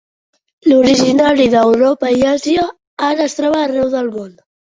Originari d'Europa i Àsia, ara es troba arreu del món.